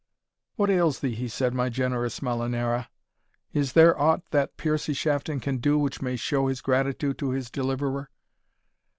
"What ails thee," he said, "my generous Molinara? is there aught that Piercie Shafton can do which may show his gratitude to his deliverer?"